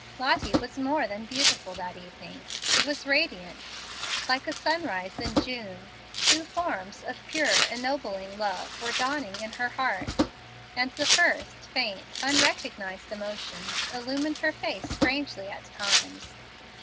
Lottie was more than beautiful that evening. She was radiant. Like a sunrise in June, two forms of pure, ennobling love were dawning in her heart; and the first, faint, unrecognized emotions illumined her face strangely at times.